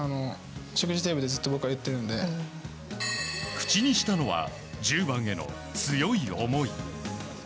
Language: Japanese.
口にしたのは１０番への強い思い。